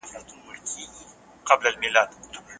ميرويس خان نيکه څنګه د خپل ولس هيله پوره کړه؟